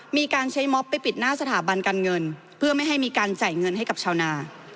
มีการใช้ม็อบไปปิดหน้าสถาบันการเงินเพื่อไม่ให้มีการจ่ายเงินให้กับชาวนา